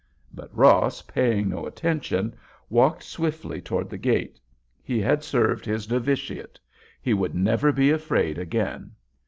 But Ross, paying no attention, walked swiftly toward the gate. He had served his novitiate. He would never be afraid again.